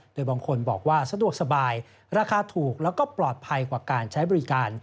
โดยบางคนบอกว่าสะดวกสบายราคาถูกแล้วก็ปลอดภัยกว่าการใช้บริการ